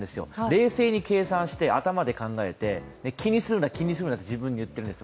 冷静に計算して頭で考えて、気にするな気にするなって自分で言っているんです。